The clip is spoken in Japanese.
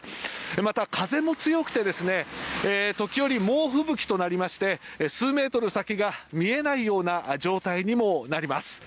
また、風も強くて時折、猛吹雪となりまして数メートル先が見えないような状態にもなります。